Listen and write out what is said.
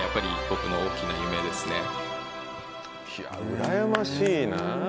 うらやましいな。